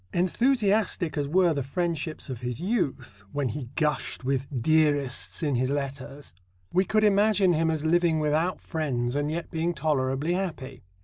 Enthusiastic as were the friendships of his youth when he gushed into "dearests" in his letters we could imagine him as living without friends and yet being tolerably happy.